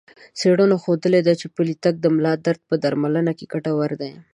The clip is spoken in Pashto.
څېړنو ښودلي چې پلی تګ د ملا درد په درملنه کې ګټور دی.